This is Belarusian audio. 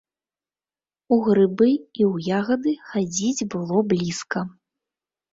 У грыбы і ў ягады хадзіць было блізка.